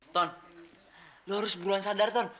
ton lo harus sebulan sadar ton